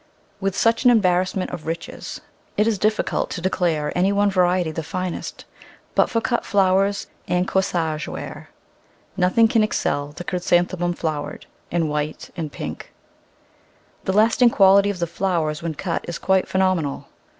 With such an embarrassment of riches it is diffi Digitized by Google ioo The Flower Garden [Chapter cult to declare any one variety the finest, but for cut flowers and corsage wear nothing can excel the Chrysanthemum Flowered in white and pink. The lasting quality of the flowers when cut is quite phenomenal.